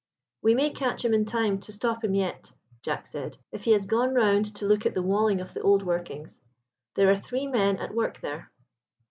"We may catch him in time to stop him yet," Jack said, "if he has gone round to look at the walling of the old workings. There are three men at work there."